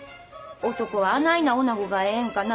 男はあないなおなごがええんかな。